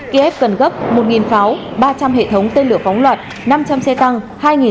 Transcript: kiev cần gấp một pháo ba trăm linh hệ thống tên lửa phóng loạt năm trăm linh xe tăng